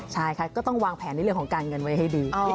ใช่ค่ะก็ต้องวางแผนในเรื่องของการเงินไว้ให้ดี